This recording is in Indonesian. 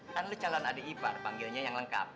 kan lo calon adik ipar panggilnya yang lengkap